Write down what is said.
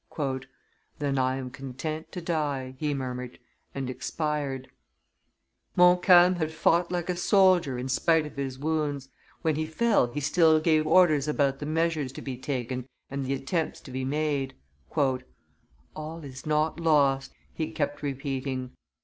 "Then I am content to die." he murmured, and expired. [Illustration: Death of Wolfe 209] Montcalm had fought like a soldier in spite of his wounds; when he fell he still gave orders about the measures to be taken and the attempts to be made. "All is not lost," he kept repeating.